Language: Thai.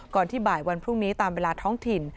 ที่บ่ายวันพรุ่งนี้ตามเวลาท้องถิ่น